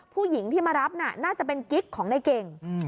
ผู้หญิงที่มารับน่ะน่าจะเป็นกิ๊กของในเก่ง